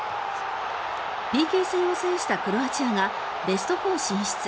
ＰＫ戦を制したクロアチアがベスト４進出。